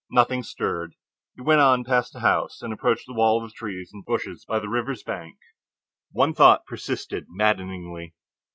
Nothing stirred. He went on past the house, and approached the wall of trees and bushes by the river's bank. One thought persisted maddeningly.